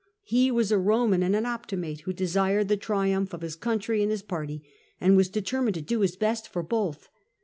He was a Homan and an Optimate, who desired the triumph of his country and his party, and was determined to do his best for both.